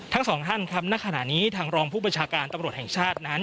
ทั้งสองท่านครับณขณะนี้ทางรองผู้บัญชาการตำรวจแห่งชาตินั้น